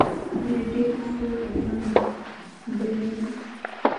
آیا ډیر خوږ او ګران بیه نه دي؟